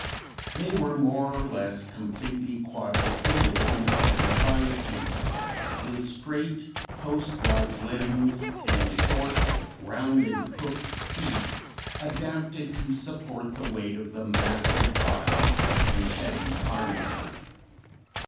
They were more or less completely quadrupedal instead of bipedal, with straight post like limbs and short rounded hoofed feet adapted to support the weight of the massive body and heavy armature.